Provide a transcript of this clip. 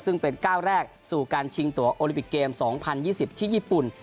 ซึ่งเป็นก้าวแรกสู่การชิงตัวโอลิปิกเกม๒๐๒๐ที่ญี่ปุ่น